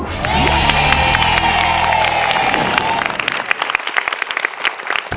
เย่